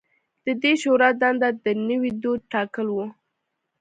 د دې شورا دنده د نوي دوج ټاکل و